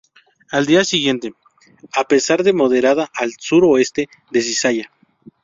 Al día siguiente, a pesar de moderada al sur-oeste de cizalla.